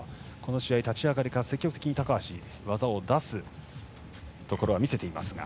立ち上がりから積極的に高橋技を出すところは見せていますが。